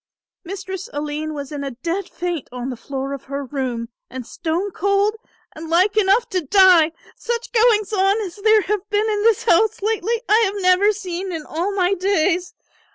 "Mistress Aline was in a dead faint on the floor of her room and stone cold and like enough to die. Such goings on as there have been in this house lately I have never seen in all my days.